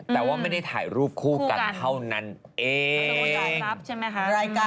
แต่ว่าไม่ได้ถ่ายรูปคู่กันเท่านั้นเอง